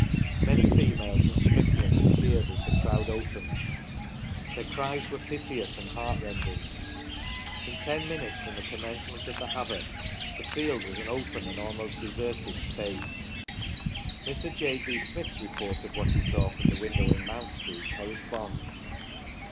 Many females and striplings ap peared as the crowd opened ; their cries were piteous and heartrend ing. In ten minutes from the commencement of the havoc, the field was an open and almost deserted space." Mr. J. B. Smith's report of what he saw from the window in Mount Street corresponds.